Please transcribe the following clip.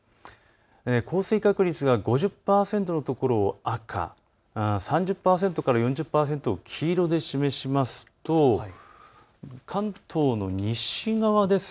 降水確率が５０％のところが赤、３０％から４０％を黄色で示すと関東の西側です。